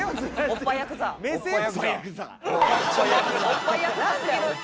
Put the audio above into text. おっぱいヤクザって。